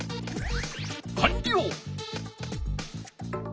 かんりょう！